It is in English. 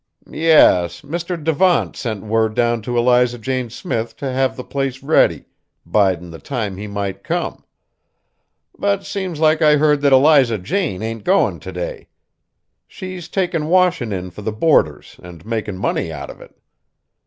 "Yes: Mr. Devant sent word down to Eliza Jane Smith t' have the place ready, bidin' the time he might come. But seems like I heard that Eliza Jane ain't goin' t' day. She's takin' washin' in fur the boarders an' makin' money out of it.